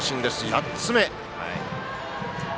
８つ目！